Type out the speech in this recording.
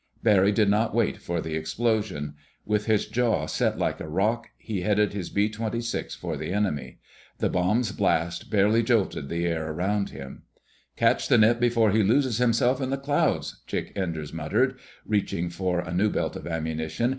Barry did not wait for the explosion. With his jaw set like a rock, he headed his B 26 for the enemy. The bomb's blast barely jolted the air about him. "Catch the Nip before he loses himself in the clouds!" Chick Enders muttered, reaching for a new belt of ammunition.